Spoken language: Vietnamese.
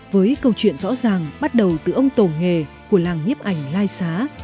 với câu chuyện rõ ràng bắt đầu từ ông tổ nghề của làng nhiếp ảnh lai xá